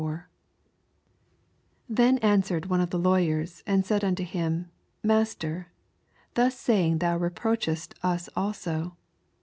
45 Then answered one of the Law yers, and said unto him, Master, thus Baying thou repFoachest us also.